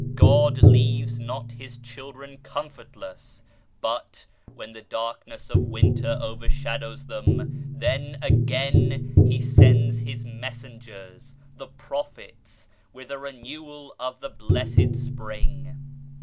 God leaves not His children comfortless, but, when the darkness of winter overshadows them, then again He sends His Messengers, the Prophets, with a renewal of the Blessed Spring.